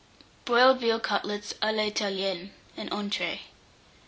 BROILED VEAL CUTLETS a l'Italienne (an Entree).